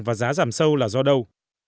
và giá giảm sâu là do đâu